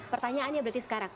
pertanyaannya berarti sekarang